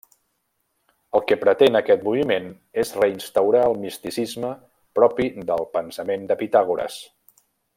El que pretén aquest moviment és reinstaurar el misticisme propi del pensament de Pitàgores.